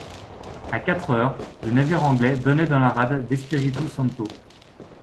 À quatre heures, le navire anglais donnait dans la rade d’Espiritu-Santo.